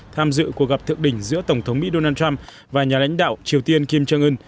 tham dự cuộc gặp thượng đỉnh giữa tổng thống mỹ donald trump và nhà lãnh đạo triều tiên kim jong un